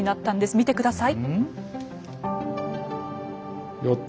見てください。